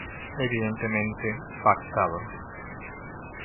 Evidentemente, pactado.